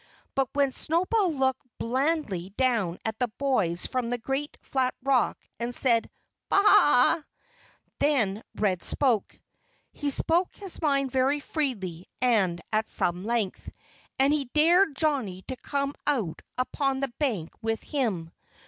But when Snowball looked blandly down at the boys from the great flat rock and said, "Baa a a!" then Red spoke. He spoke his mind very freely and at some length. And he dared Johnnie to come out upon the bank with him.